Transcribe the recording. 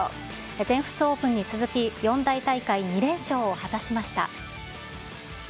全仏オープンに続き、四大大会２連勝を果たしました。